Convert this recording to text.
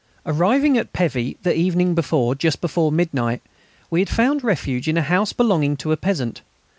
Arriving at Pévy the evening before, just before midnight, we had found refuge in a house belonging to a peasant.